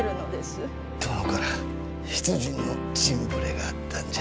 殿から出陣の陣触れがあったんじゃ。